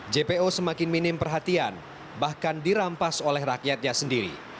jpo semakin minim perhatian bahkan dirampas oleh rakyatnya sendiri